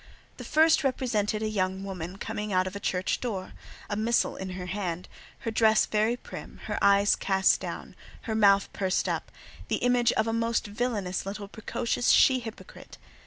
The first represented a "Jeune Fille," coming out of a church door, a missal in her hand, her dress very prim, her eyes cast down, her mouth pursed up—the image of a most villanous little precocious she hypocrite.